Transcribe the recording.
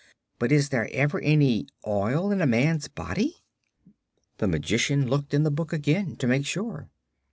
"But is there ever any oil in a man's body?" The Magician looked in the book again, to make sure.